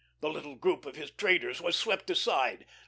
The little group of his traders was swept aside.